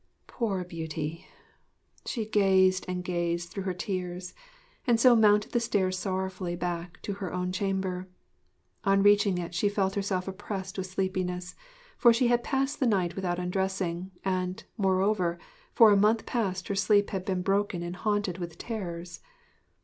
Poor Beauty! She gazed and gazed through her tears, and so mounted the stairs sorrowfully back to her own chamber. On reaching it she felt herself oppressed with sleepiness, for she had passed the night without undressing, and, moreover, for a month past her sleep had been broken and haunted with terrors.